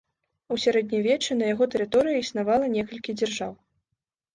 У сярэднявеччы на яго тэрыторыі існавала некалькі дзяржаў.